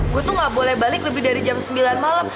gue tuh gak boleh balik lebih dari jam sembilan malam